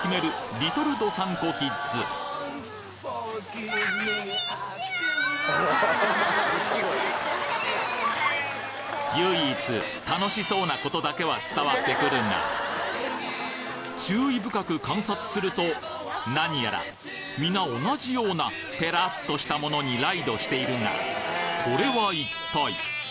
リトル道産子キッズ唯一楽しそうな事だけは伝わってくるが注意深く観察すると何やらみな同じようなペラッとしたものにライドしているがこれは一体？